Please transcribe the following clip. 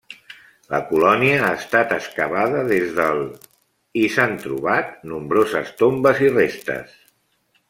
La colònia ha estat excavada des del i s'han trobat nombroses tombes i restes.